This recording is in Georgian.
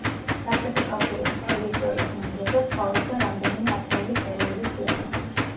საბჭოთა კავშირის მთელი ისტორიის მანძილზე ცხოვრობდა რამდენიმე ათეული სერიული მკვლელი.